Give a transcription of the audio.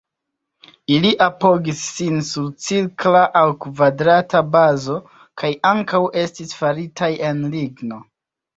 Ili apogis sin sur cirkla aŭ kvadrata bazo, kaj ankaŭ estis faritaj el ligno.